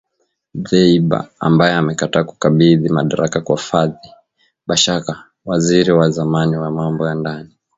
Dbeibah ambaye amekataa kukabidhi madaraka kwa Fathi Bashagha waziri wa zamani wa mambo ya ndani